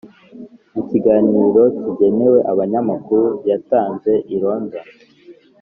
mu kiganiro kigenewe abanyamakuru yatanze i london,